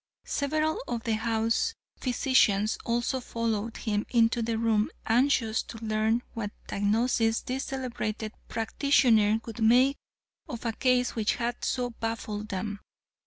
Several of the house physicians also followed him into the room anxious to learn what diagnosis this celebrated practitioner would make of a case which had so baffled them.